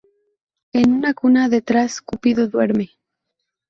En una cuna, detrás, Cupido duerme.